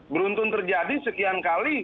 beruntung terjadi sekian kali